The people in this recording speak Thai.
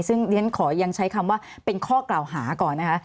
ซึ่งเรียนขอยังใช้คำว่าเป็นข้อกล่าวหาก่อนนะคะ